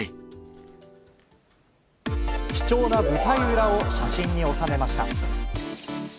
貴重な舞台裏を写真に収めました。